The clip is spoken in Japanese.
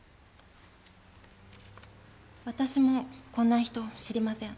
私もこんな人知りません。